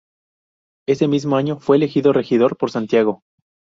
Ese mismo año fue elegido Regidor por Santiago.